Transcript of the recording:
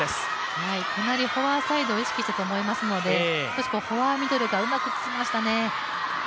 フォアサイドを意識したと思いますので、フォアミドルがうまくききましたね。